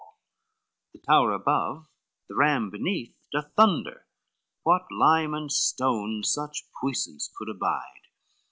LI The tower above, the ram beneath doth thunder, What lime and stone such puissance could abide?